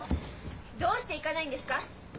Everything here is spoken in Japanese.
どうして行かないんですか！？